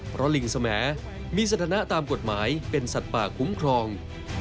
เพราะลิงสมแหมีสถานะตามกฎหมายเป็นสัตว์ป่าคุ้มครอง